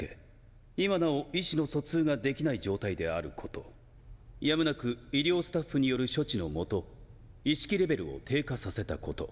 今なお意思の疎通ができない状態であること」「やむなく医療スタッフによる処置のもと意識レベルを低下させたこと」